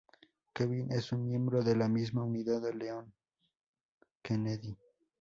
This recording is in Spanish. Kevin es un miembro de la misma unidad de Leon S. Kennedy.